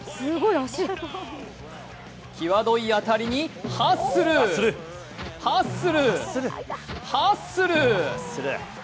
際どい当たりにハッスル、ハッスル、ハッスル！